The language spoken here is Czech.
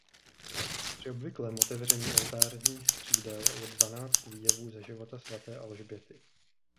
Při obvyklém otevření oltářních křídel je dvanáct výjevů ze života svaté Alžběty.